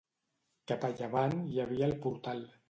Cap a llevant, hi havia el portal.